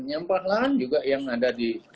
ada yang beranian juga yang ada di